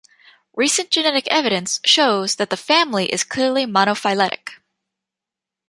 Recent genetic evidence shows that the family is clearly monophyletic.